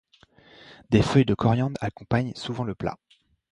Des feuilles de coriandre accompagnent souvent le plat.